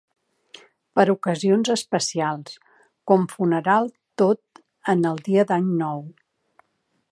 Per ocasions especials, com funeral tot en el dia d'Any Nou.